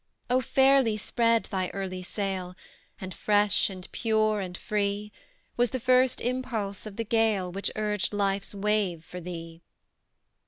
O, fairly spread thy early sail, And fresh, and pure, and free, Was the first impulse of the gale Which urged life's wave for thee!